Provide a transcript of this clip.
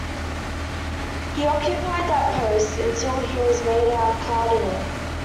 He occupied that post until he was made a cardinal.